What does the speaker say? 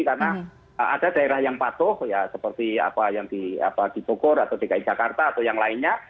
karena ada daerah yang patuh ya seperti apa yang di tokor atau di kin jakarta atau yang lainnya